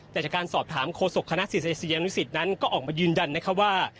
แต่จากการสอบถามโฆษกคณะศิษย์ศิษย์ยังวิสิทธิ์นั้นก็ออกมายืนดันนะครับว่า